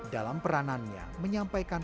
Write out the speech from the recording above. dalam peranannya menyampaikan kemampuan